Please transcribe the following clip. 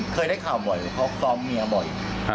เคยได้ข่าวบ่อยว่าเขาซ้อมเมียบ่อย